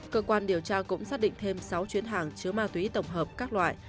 cơ quan điều tra cũng xác định thêm sáu chuyến hàng chứa ma túy tổng hợp các loại